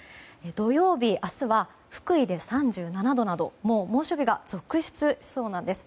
土曜日、明日は福井で３７度などもう猛暑日が続出しそうなんです。